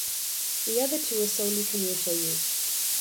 The other two are solely commercial use.